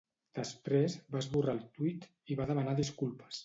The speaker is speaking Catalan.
Després, va esborrar el tuit i va demanar disculpes.